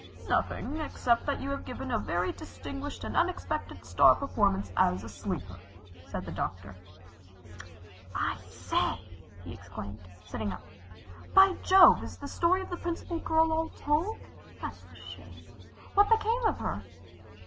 "Nothing except that you have given a very distinguished and unexpected star performance as a sleeper," said the Doctor. "I say!" he exclaimed, sitting up. "By Jove, is the story of the Principal Girl all told? That's a shame. What became of her?"